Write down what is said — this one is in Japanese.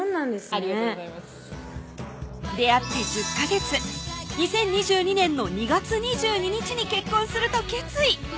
ありがとうございます出会って１０ヵ月２０２２年の２月２２日に結婚すると決意